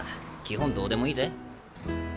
基本どうでもいいぜ。